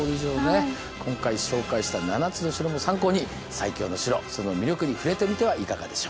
今回紹介した７つの城も参考に最強の城その魅力に触れてみてはいかがでしょうか。